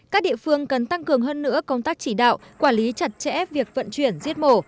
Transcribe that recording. các địa phương cần tăng cường hơn nữa công tác chỉ đạo quản lý chặt chẽ việc vận chuyển giết mổ